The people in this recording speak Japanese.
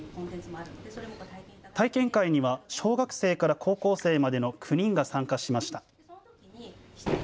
体験会には小学生から高校生までの９人が参加しました。